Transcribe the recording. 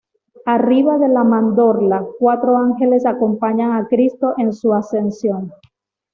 Arriba de la mandorla, cuatro ángeles acompañan a Cristo en su ascensión.